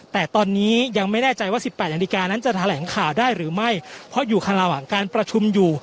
แต่ตอนนี้ยังไม่แน่ใจว่าสิบแปดนาฬิกานั้นจะแถลงข่าวได้หรือไม่เพราะอยู่ข้างระหว่างการประชุมอยู่